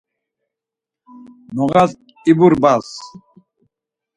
Noğas iburbals.